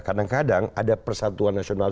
kadang kadang ada persatuan nasional